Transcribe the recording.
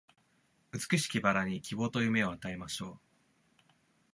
美しき薔薇に希望と夢を与えましょう